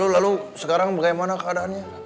lalu sekarang bagaimana keadaannya